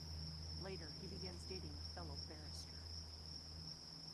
Later he begins dating a fellow barrister.